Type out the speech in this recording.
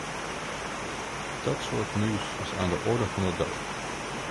Dat soort nieuws is aan de orde van de dag.